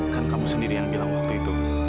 kan kamu sendiri yang bilang waktu itu